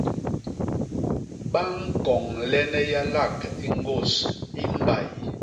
Ba ñkoñlene yalak i ñgôs i mbay